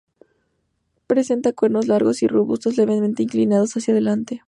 Presenta cuernos largos y robustos, levemente inclinados hacia adelante.